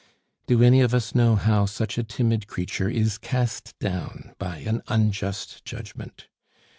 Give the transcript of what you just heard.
Do any of us know how such a timid creature is cast down by an unjust judgment?